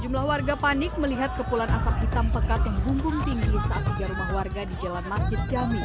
jumlah warga panik melihat kepulan asap hitam pekat yang bumbung tinggi saat tiga rumah warga di jalan masjid jami